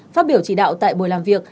phát biểu chỉ đạo tại buổi làm việc